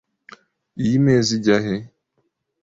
Iyi meza ijya he?